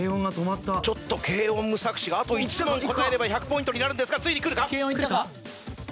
ちょっとけーおん・無策師があと１問答えれば１００ポイントになるんですがついにくるか？